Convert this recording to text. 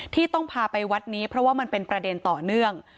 ที่ต้องพาไปวัดนี้เพราะว่ามันเป็นประเด็นต่อเนื่อง